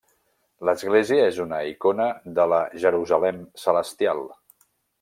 L'Església és una icona de la Jerusalem celestial.